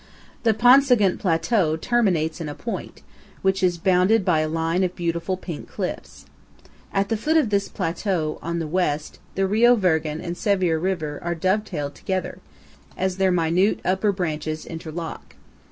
The Paunsa'gunt Plateau terminates in a point, which is bounded by a line of beautiful pink cliffs. At the foot of this plateau, on the west, the Rio Virgen and Sevier River are dovetailed together, as their minute upper branches interlock.